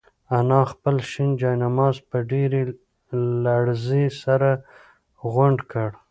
انا خپل شین جاینماز په ډېرې لړزې سره غونډ کړ.